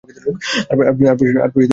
আর পরিশিষ্ট লেখে কে?